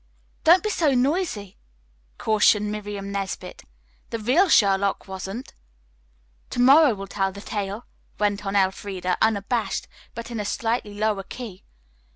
"Don't be so noisy!" cautioned Miriam Nesbit. "The real Sherlock wasn't." "To morrow will tell the tale," went on Elfreda unabashed, but in a slightly lower key.